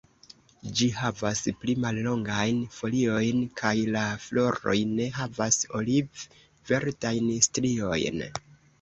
Ĝi havas pli mallongajn foliojn kaj la floroj ne havas oliv-verdajn striojn.